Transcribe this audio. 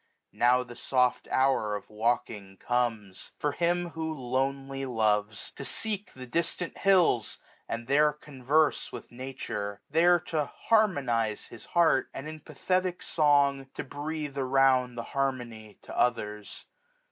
Now the soft hour Of walking comes : for him who lonely loves. To seek the distant hills, and there converse 1^80 With Nature ; there to harmonize his heart. And in pathetic song to breathe around The harmony to others.